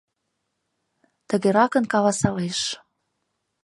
Тыгеракын каласалеш: